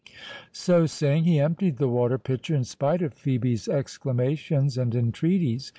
So saying, he emptied the water pitcher, in spite of Phœbe's exclamations and entreaties.